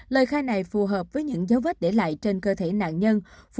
lời khai này phù hợp với những dấu vết để lại trên cơ thể nạn nhân